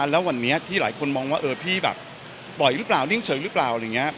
แล้ววันนี้ที่หลายคนมองว่าพี่แบบปล่อยหรือเปล่านิ่งเฉยหรือเปล่าอะไรอย่างนี้